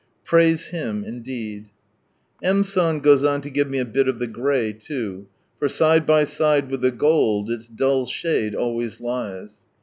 Praise Him indeed ! M. San goes on to give me a bit of the grey too — for side by side with the gold, its dull shade always lies.